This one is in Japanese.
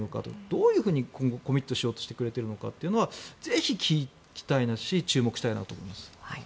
どういうふうに今後コミットをしてくれようとしているのかをぜひ聞きたいし注目したいなと思います。